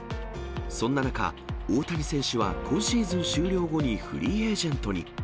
そんな中、大谷選手は今シーズン終了後にフリーエージェントに。